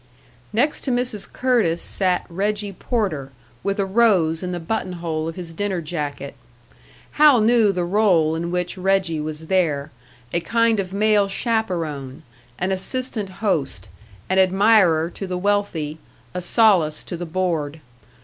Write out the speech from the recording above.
Next to Mrs. Curtis sat Reggie Porter, with a rose in the button hole of his dinner jacket. Hal knew the rôle in which Reggie was there a kind of male chaperon, an assistant host, an admirer to the wealthy, a solace to the bored.